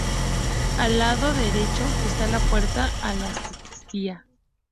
Al lado derecho está la puerta a la sacristía.